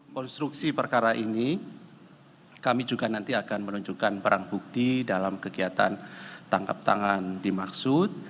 konstruksi perkara ini kami juga nanti akan menunjukkan perang bukti dalam kegiatan tangkap tangan dimaksud